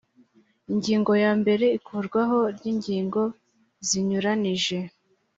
ingingo ya mbere ikurwaho ry ingingo zinyuranije